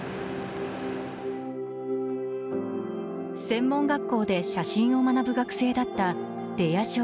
専門学校で写真を学ぶ学生だった出谷少尉。